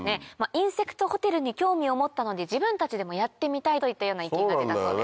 インセクトホテルに興味を持ったので自分たちでもやってみたいといったような意見が出たそうです。